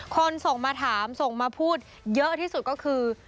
ส่งมาถามส่งมาพูดเยอะที่สุดก็คือ